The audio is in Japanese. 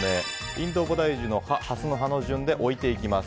インドボダイジュの葉ハスの葉の順で置いていきます。